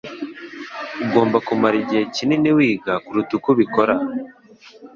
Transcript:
Ugomba kumara igihe kinini wiga kuruta uko ubikora